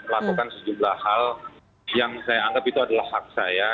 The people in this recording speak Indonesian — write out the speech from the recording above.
lakukan sejumlah hal yang saya anggap itu adalah hak saya